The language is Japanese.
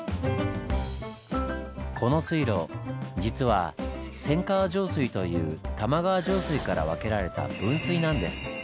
この水路実は「千川上水」という玉川上水から分けられた分水なんです。